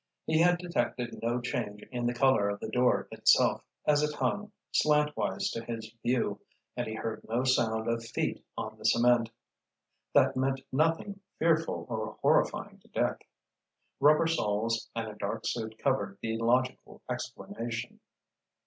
He had detected no change in the color of the door itself as it hung, slantwise to his view, and he heard no sound of feet on the cement. That meant nothing fearful or horrifying to Dick. Rubber soles and a dark suit covered the logical explanation.